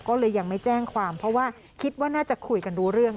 ก็เลยยังไม่แจ้งความเพราะว่าคิดว่าน่าจะคุยกันรู้เรื่อง